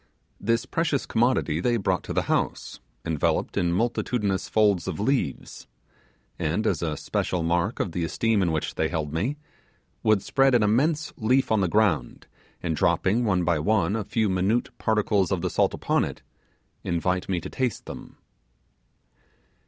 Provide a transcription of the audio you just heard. This precious commodity they brought to the house, enveloped in multitudinous folds of leaves; and as a special mark of the esteem in which they held me, would spread an immense leaf on the ground, and dropping one by one a few minute particles of the salt upon it, invite me to taste them.